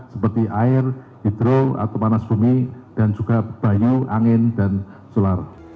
seperti air hidro atau panas bumi dan juga bayu angin dan solar